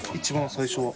最初は。